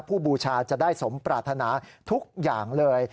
บูชาจะได้สมปรารถนาทุกอย่างเลย